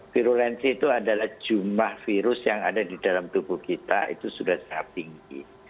virulensi itu adalah jumlah virus yang ada di dalam tubuh kita itu sudah sangat tinggi